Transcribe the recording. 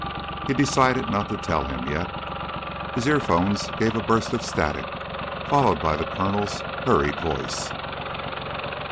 He decided not to tell him ... yet. His earphones gave a burst of static followed by the Colonel's hurried voice.